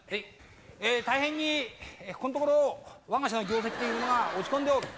大変にここのところわが社の業績というのが落ち込んでおる。